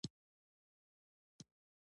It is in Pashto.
اوښ د افغان ماشومانو د لوبو یوه موضوع ده.